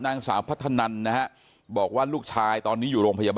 อายุ๑๐ปีนะฮะเขาบอกว่าเขาก็เห็นถูกยิงนะครับ